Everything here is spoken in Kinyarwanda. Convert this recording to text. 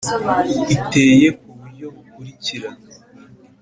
Iteye ku buryo bukurikira